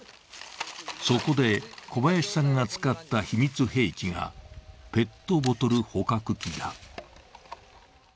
そこで小林さんが使った秘密兵器がペットボトル捕獲器だ。